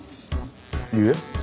いいえ。